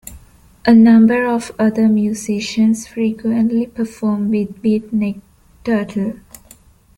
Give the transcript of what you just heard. A number of other musicians frequently perform with Beatnik Turtle.